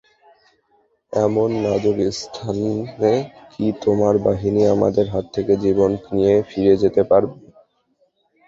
এমন নাজুক স্থানে কি তোমার বাহিনী আমাদের হাত থেকে জীবন নিয়ে ফিরে যেতে পারবে?